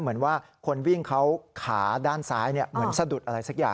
เหมือนว่าคนวิ่งเขาขาด้านซ้ายเหมือนสะดุดอะไรสักอย่าง